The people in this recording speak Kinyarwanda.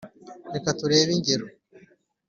Reka turebe ingero